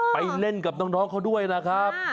ไปเล่นกับน้องเขาด้วยนะครับ